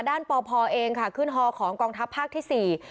ด้านปพเองค่ะขึ้นฮของกองทัพภาคที่๔